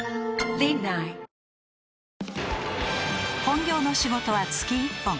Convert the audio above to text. ［本業の仕事は月一本］